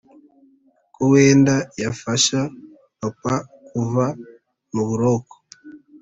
ko wenda yafasha papa kuva muburoko